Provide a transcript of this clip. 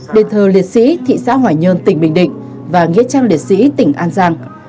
đền thờ liệt sĩ thị xã hoài nhơn tỉnh bình định và nghĩa trang liệt sĩ tỉnh an giang